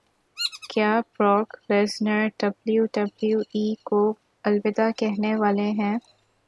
کیا Brock Lesnar W W E کو الوداع کہنے والے ہیں